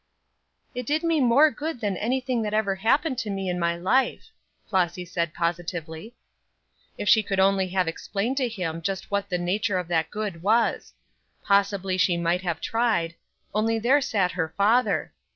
"It did me more good than anything that ever happened to me in my life," Flossy said, positively. If she could only have explained to him just what the nature of that good was! Possibly she might have tried, only there sat her father.